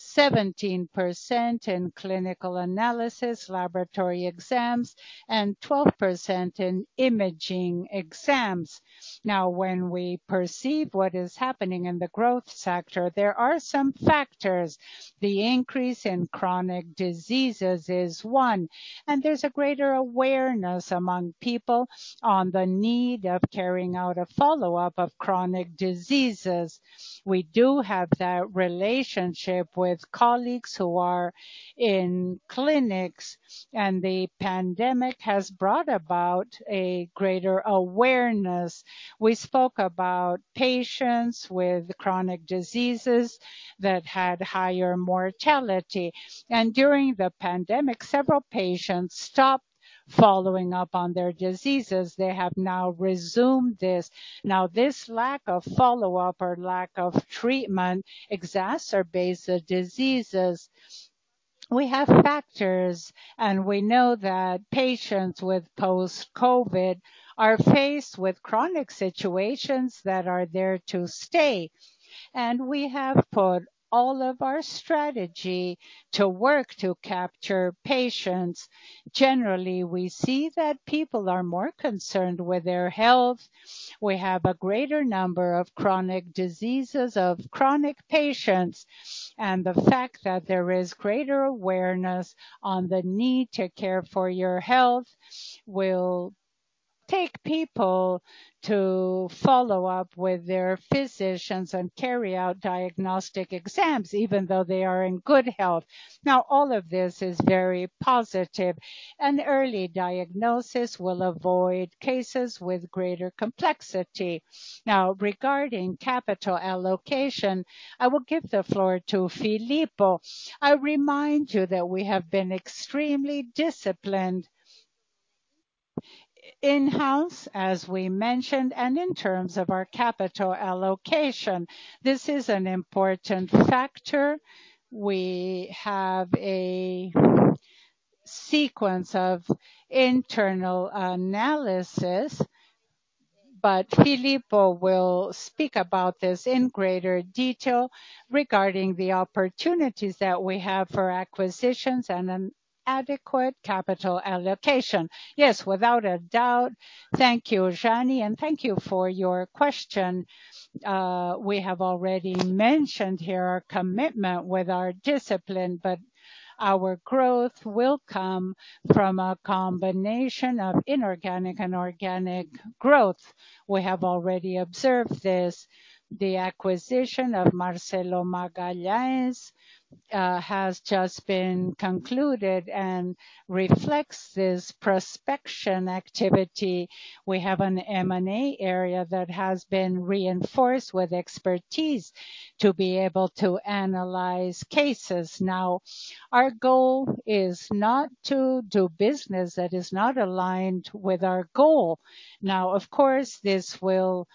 17% in clinical analysis, laboratory exams, and 12% in imaging exams. Now, when we perceive what is happening in the growth sector, there are some factors. The increase in chronic diseases is one, and there's a greater awareness among people on the need of carrying out a follow-up of chronic diseases. We do have that relationship with colleagues who are in clinics, and the pandemic has brought about a greater awareness. We spoke about patients with chronic diseases that had higher mortality. During the pandemic, several patients stopped following up on their diseases. They have now resumed this. Now, this lack of follow-up or lack of treatment exacerbates the diseases. We have factors, and we know that patients with post-COVID are faced with chronic situations that are there to stay. We have put all of our strategy to work to capture patients. Generally, we see that people are more concerned with their health. We have a greater number of chronic diseases, of chronic patients. The fact that there is greater awareness on the need to care for your health will take people to follow-up with their physicians and carry out diagnostic exams, even though they are in good health. Now, all of this is very positive, and early diagnosis will avoid cases with greater complexity. Now, regarding capital allocation, I will give the floor to Filippo. I remind you that we have been extremely disciplined in-house, as we mentioned, and in terms of our capital allocation. This is an important factor. We have a sequence of internal analysis, but José Filippo will speak about this in greater detail regarding the opportunities that we have for acquisitions and an adequate capital allocation. Yes, without a doubt. Thank you, Jeane Tsutsui, and thank you for your question. We have already mentioned here our commitment with our discipline, but our growth will come from a combination of inorganic and organic growth. We have already observed this. The acquisition of Marcelo Magalhães has just been concluded and reflects this prospection activity. We have an M&A area that has been reinforced with expertise to be able to analyze cases. Now, our goal is not to do business that is not aligned with our goal. Now, of course, this will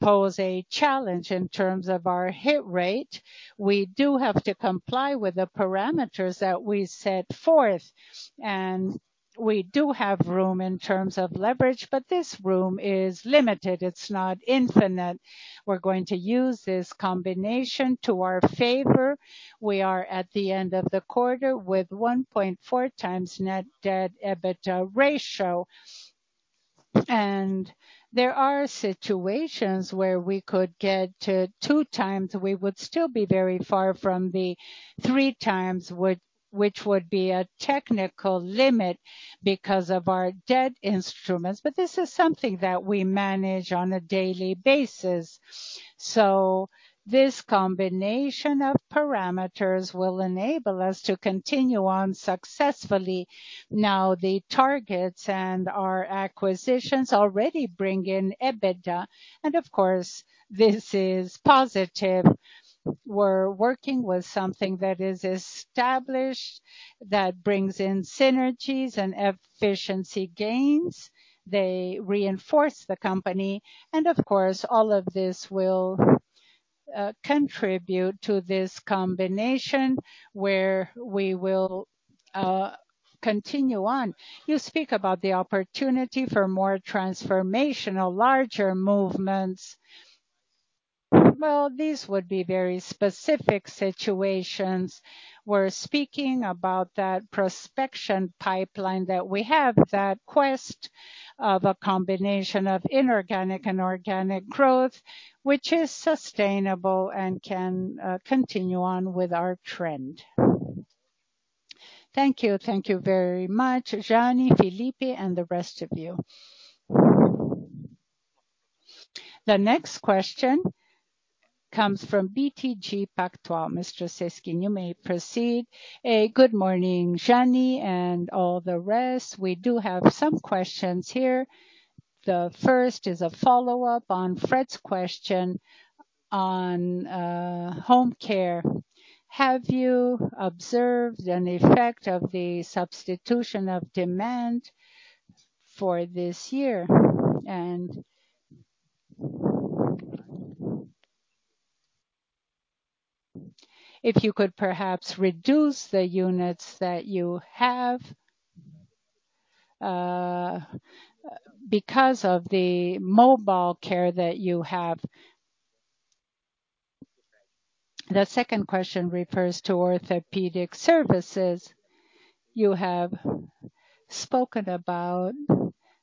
pose a challenge in terms of our hit rate. We do have to comply with the parameters that we set forth, and we do have room in terms of leverage, but this room is limited. It's not infinite. We're going to use this combination to our favor. We are at the end of the quarter with 1.4x net debt EBITDA ratio. There are situations where we could get to 2x. We would still be very far from the 3x which would be a technical limit because of our debt instruments. This is something that we manage on a daily basis. This combination of parameters will enable us to continue on successfully. Now, the targets and our acquisitions already bring in EBITDA, and of course, this is positive. We're working with something that is established, that brings in synergies and efficiency gains. They reinforce the company, and of course, all of this will contribute to this combination where we will continue on. You speak about the opportunity for more transformational, larger movements. Well, these would be very specific situations. We're speaking about that prospection pipeline that we have, that quest of a combination of inorganic and organic growth, which is sustainable and can continue on with our trend. Thank you. Thank you very much, Jeane, Filippo, and the rest of you. The next question comes from BTG Pactual. Mr. Samuel Alves, you may proceed. Good morning, Jeane and all the rest. We do have some questions here. The first is a follow-up on Fred's question on HomeCare. Have you observed an effect of the substitution of demand for this year? If you could perhaps reduce the units that you have, because of the mobile care that you have. The second question refers to orthopedic services. You have spoken about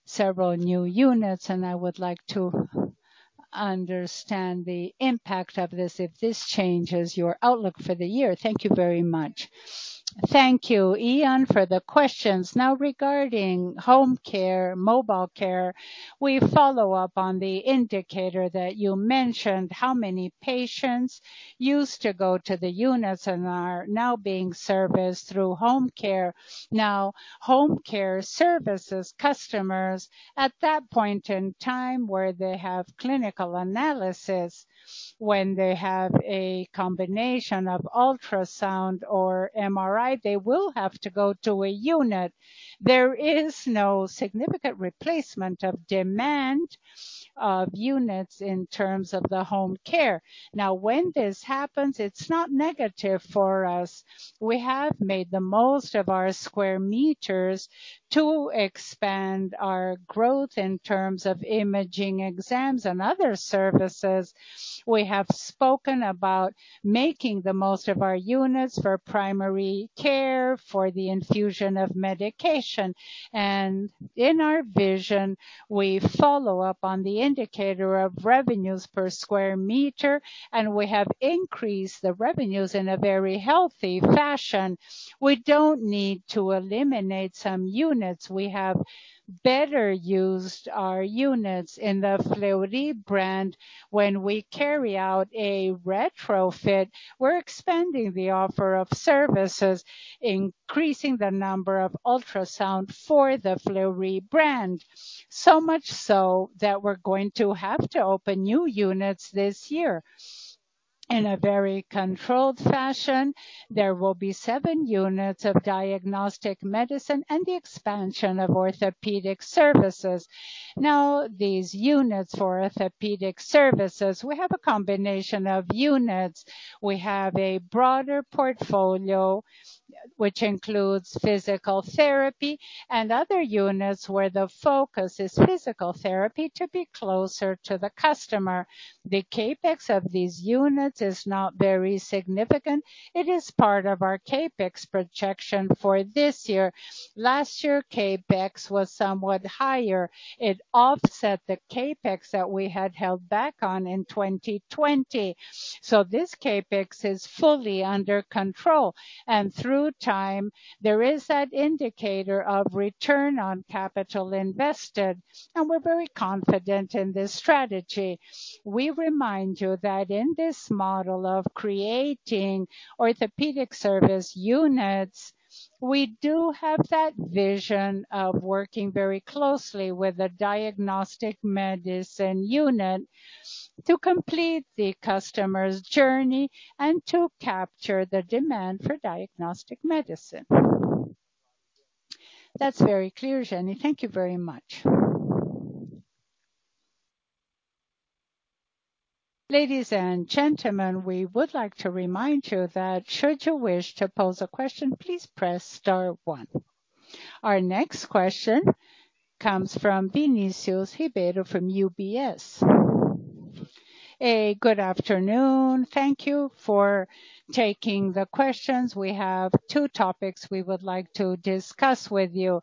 several new units, and I would like to understand the impact of this, if this changes your outlook for the year. Thank you very much. Thank you, Ian, for the questions. Now, regarding HomeCare, mobile care, we follow-up on the indicator that you mentioned, how many patients used to go to the units and are now being serviced through HomeCare. Now, HomeCare services customers, at that point in time, where they have clinical analysis, when they have a combination of ultrasound or MRI, they will have to go to a unit. There is no significant replacement of demand of units in terms of the HomeCare. Now, when this happens, it's not negative for us. We have made the most of our square meters to expand our growth in terms of imaging exams and other services. We have spoken about making the most of our units for primary care, for the infusion of medication. In our vision, we follow-up on the indicator of revenues per square meter, and we have increased the revenues in a very healthy fashion. We don't need to eliminate some units. We have better used our units in the Fleury brand. When we carry out a retrofit, we're expanding the offer of services, increasing the number of ultrasound for the Fleury brand, so much so that we're going to have to open new units this year. In a very controlled fashion, there will be seven units of Diagnostic Medicine and the expansion of orthopedic services. Now, these units for orthopedic services, we have a combination of units. We have a broader portfolio which includes physical therapy and other units where the focus is physical therapy to be closer to the customer. The CapEx of these units is not very significant. It is part of our CapEx projection for this year. Last year, CapEx was somewhat higher. It offset the CapEx that we had held back on in 2020. This CapEx is fully under control. Through time, there is that indicator of return on capital invested, and we're very confident in this strategy. We remind you that in this model of creating orthopedic service units, we do have that vision of working very closely with a Diagnostic Medicine unit to complete the customer's journey and to capture the demand for Diagnostic Medicine. That's very clear, Jeane. Thank you very much. Ladies and gentlemen, we would like to remind you that should you wish to pose a question, please press star one. Our next question comes from Vinicius Ribeiro from UBS. Good afternoon. Thank you for taking the questions. We have two topics we would like to discuss with you.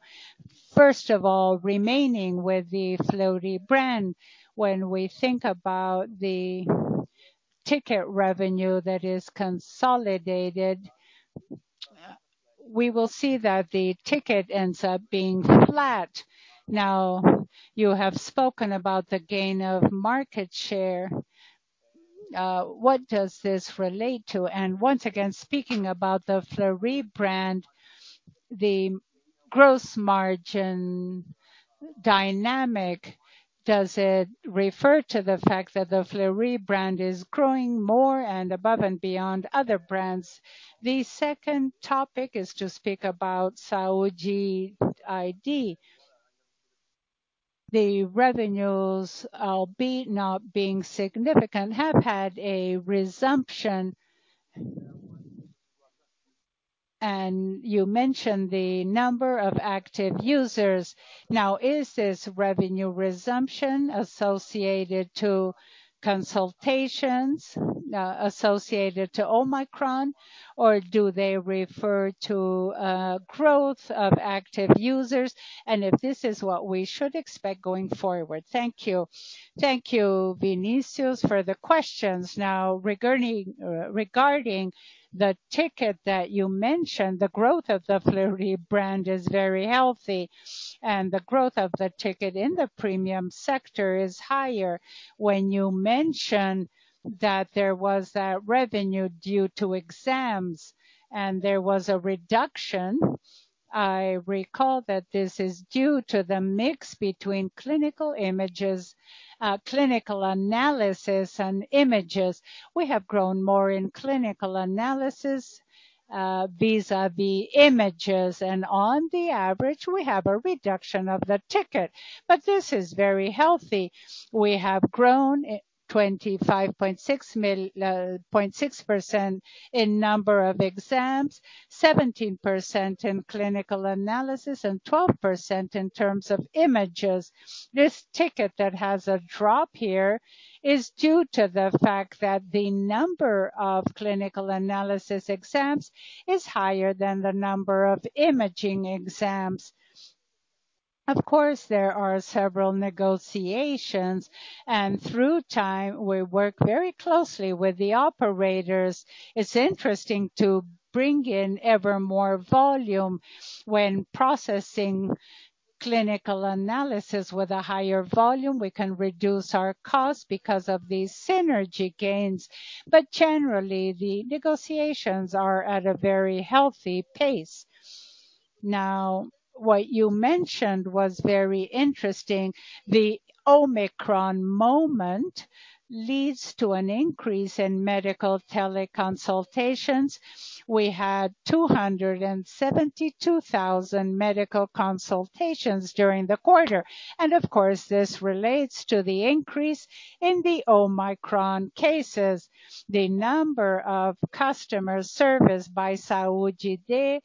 First of all, remaining with the Fleury brand. When we think about the ticket revenue that is consolidated. We will see that the ticket ends up being flat. Now, you have spoken about the gain of market share. What does this relate to? Once again, speaking about the Fleury brand, the gross margin dynamic, does it refer to the fact that the Fleury brand is growing more and above and beyond other brands? The second topic is to speak about Saúde iD. The revenues, albeit not being significant, have had a resumption. You mentioned the number of active users. Now, is this revenue resumption associated to consultations, associated to Omicron, or do they refer to growth of active users, and if this is what we should expect going forward? Thank you. Thank you, Vinicius, for the questions. Now, regarding the ticket that you mentioned, the growth of the Fleury brand is very healthy, and the growth of the ticket in the premium sector is higher. When you mentioned that there was that revenue due to exams and there was a reduction, I recall that this is due to the mix between clinical analysis and images. We have grown more in clinical analysis, vis-à-vis images. On the average, we have a reduction of the ticket, but this is very healthy. We have grown 25.6% in number of exams, 17% in clinical analysis, and 12% in terms of images. This ticket that has a drop here is due to the fact that the number of clinical analysis exams is higher than the number of imaging exams. Of course, there are several negotiations, and through time, we work very closely with the operators. It's interesting to bring in ever more volume when processing clinical analysis. With a higher volume, we can reduce our costs because of these synergy gains. But generally, the negotiations are at a very healthy pace. Now, what you mentioned was very interesting. The Omicron moment leads to an increase in medical tele consultations. We had 272,000 medical consultations during the quarter. Of course, this relates to the increase in the Omicron cases. The number of customers serviced by Saúde iD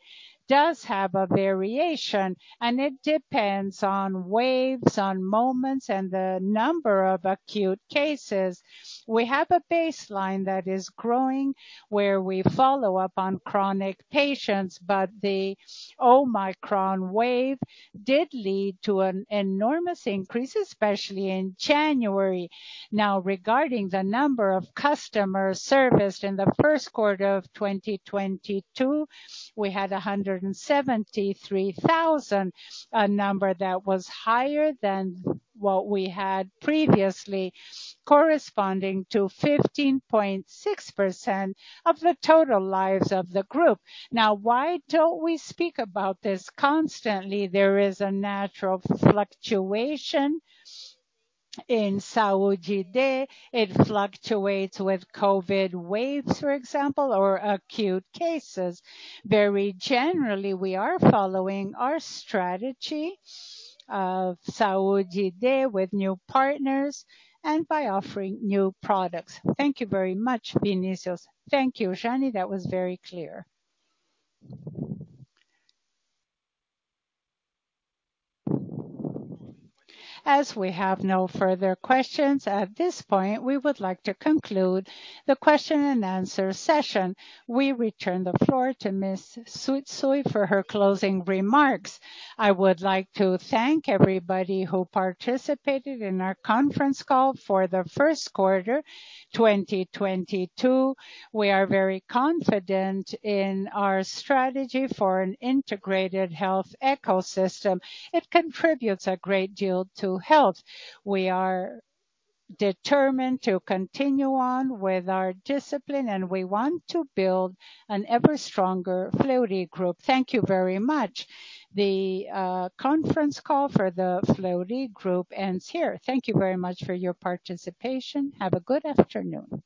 does have a variation, and it depends on waves, on moments, and the number of acute cases. We have a baseline that is growing where we follow-up on chronic patients, but the Omicron wave did lead to an enormous increase, especially in January. Now, regarding the number of customers serviced in the first quarter of 2022, we had 173,000, a number that was higher than what we had previously, corresponding to 15.6% of the total lives of the group. Now, why don't we speak about this constantly? There is a natural fluctuation in Saúde iD. It fluctuates with COVID waves, for example, or acute cases. Very generally, we are following our strategy of Saúde iD with new partners and by offering new products. Thank you very much, Vinicius. Thank you, Jeane Tsutsui. That was very clear. As we have no further questions, at this point, we would like to conclude the question and answer session. We return the floor to Ms. Tsutsui for her closing remarks. I would like to thank everybody who participated in our conference call for the first quarter 2022. We are very confident in our strategy for an integrated health ecosystem. It contributes a great deal to health. We are determined to continue on with our discipline, and we want to build an ever stronger Fleury Group. Thank you very much. The conference call for the Fleury Group ends here. Thank you very much for your participation. Have a good afternoon.